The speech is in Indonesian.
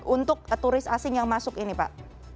untuk turis asing yang masuk ini pak